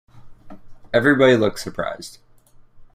Everybody looked surprised.